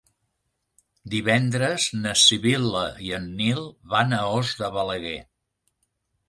Divendres na Sibil·la i en Nil van a Os de Balaguer.